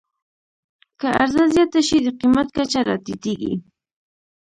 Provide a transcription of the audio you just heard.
که عرضه زیاته شي، د قیمت کچه راټیټېږي.